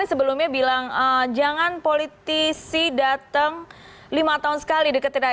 kan sebelumnya bilang jangan politisi datang lima tahun sekali dekat kita